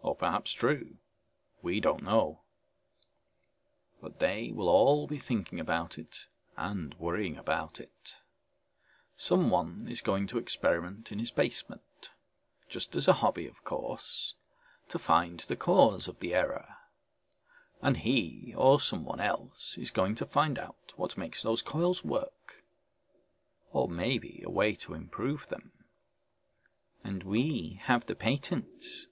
Or perhaps true? We don't know. But they will all be thinking about it and worrying about it. Someone is going to experiment in his basement just as a hobby of course to find the cause of the error. And he or someone else is going to find out what makes those coils work, or maybe a way to improve them!" "And we have the patents...."